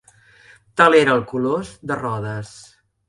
Tal era el Colós de Rodes.